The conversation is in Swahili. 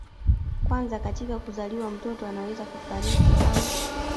kwanza katika kuzaliwa mtoto anaweza kufariki au